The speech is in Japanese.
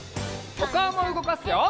おかおもうごかすよ！